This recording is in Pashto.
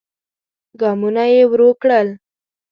ګامونه يې ورو کړل.